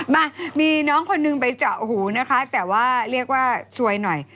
มามีน้องคนนึงไปเจาะหูนะคะแต่ว่าเรียกว่าซวยหน่อย